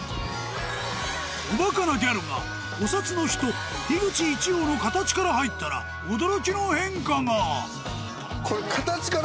おバカなギャルがお札の人樋口一葉の形から入ったら驚きの変化が！